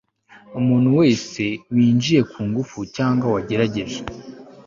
Umuntu wese winjiye ku ngufu cyangwa wagerageje